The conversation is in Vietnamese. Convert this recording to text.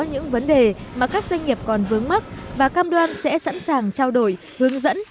những vấn đề mà các doanh nghiệp còn vướng mắt và cam đoan sẽ sẵn sàng trao đổi hướng dẫn